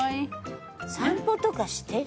「散歩とかしてる？」